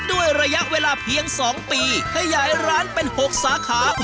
ด้วยระยะเวลาเพียง๒ปีขยายร้านเป็น๖สาขา